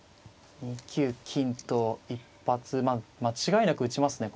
２九金と一発まあ間違いなく打ちますね